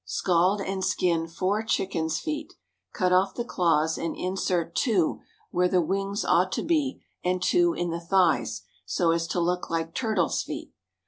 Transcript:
Scald and skin four chickens' feet; cut off the claws, and insert two where the wings ought to be and two in the thighs, so as to look like turtles' feet.